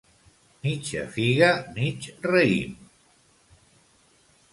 Mitja figa mig raïm.